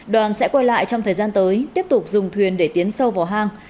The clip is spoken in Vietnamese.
đoàn sẽ quay lại trong thời gian tới tiếp tục dùng thuyền để tiến sâu vào hang